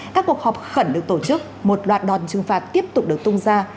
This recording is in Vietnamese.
các cuộc họp khẩn được tổ chức một loạt đòn trừng phạt tiếp tục được tung ra